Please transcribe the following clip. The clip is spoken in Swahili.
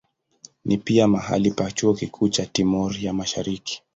Ni pia mahali pa chuo kikuu cha Timor ya Mashariki.